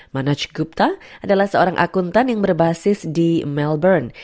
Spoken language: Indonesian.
manoj gupta adalah seorang akuntan yang berbasis di melbourne